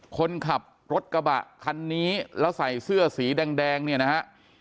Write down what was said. คนขับรถกระบะคันนี้แล้วใส่เสื้อสีแดงเนี่ยนะฮะ